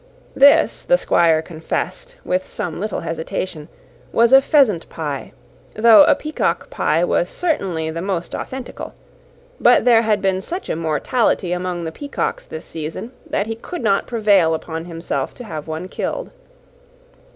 This, the Squire confessed, with some little hesitation, was a pheasant pie, though a peacock pie was certainly the most authentical; but there had been such a mortality among the peacocks this season, that he could not prevail upon himself to have one killed.